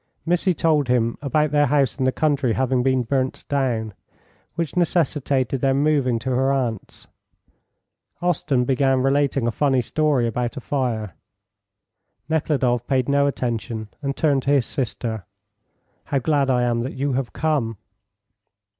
Missy told him about their house in the country having been burnt down, which necessitated their moving to her aunt's. Osten began relating a funny story about a fire. Nekhludoff paid no attention, and turned to his sister. "How glad I am that you have come."